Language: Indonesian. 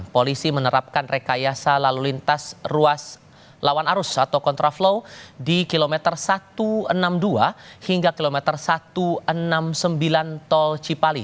polisi menerapkan rekayasa lalu lintas ruas lawan arus atau kontraflow di kilometer satu ratus enam puluh dua hingga kilometer satu ratus enam puluh sembilan tol cipali